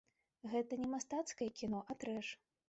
Гэта не мастацкае кіно, а трэш.